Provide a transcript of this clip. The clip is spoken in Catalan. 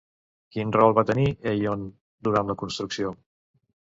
Quin rol va tenir Eíon durant la construcció?